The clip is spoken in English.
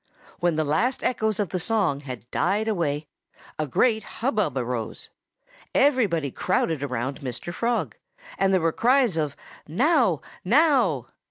When the last echoes of the song had died away a great hubbub arose. Everybody crowded around Mr. Frog. And there were cries of "Now! Now!"